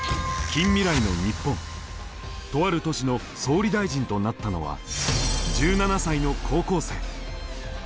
とある都市の総理大臣となったのは１７才の高校生。